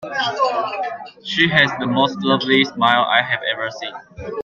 She has the most lovely smile I have ever seen.